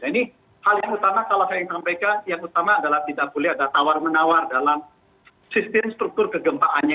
nah ini hal yang utama kalau saya ingin sampaikan yang utama adalah tidak boleh ada tawar menawar dalam sistem struktur kegempaannya